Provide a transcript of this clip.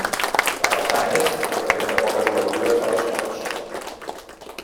La façana Est presenta poques obertures a les corts.